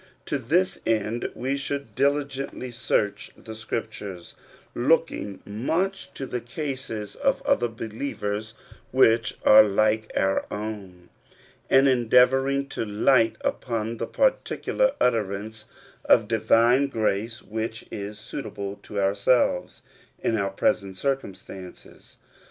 To this end we should diligently search the Scriptures, looking much to the cases of other believers which are like our own, and en deavoring to light upon that particular utterance of divine grace which is suitable to ourselves in our present circumstances.